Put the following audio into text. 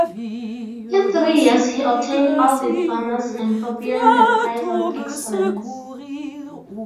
In three years he obtained all diplomas and for piano the prize of excellence.